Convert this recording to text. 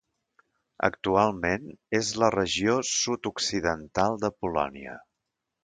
Actualment, és la regió sud-occidental de Polònia.